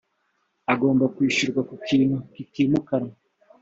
ugomba kwishyurwa ku kintu kitimukanwa